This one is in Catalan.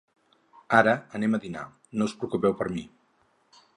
Ara anem a dinar, no us preocupeu per mi.